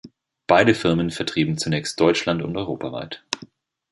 Beide Firmen vertrieben zunächst deutschland- und europaweit.